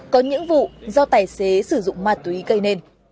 có những vụ do tài xế sử dụng ma túy gây nên